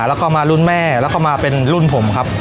แล้วก็มาลุลแม่และมาเป็นลุลผมครับ